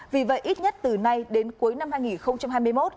vì vậy ít nhất từ nay đến cuối năm hai nghìn hai mươi một